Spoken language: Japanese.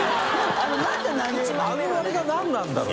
あのあれが何なんだろう？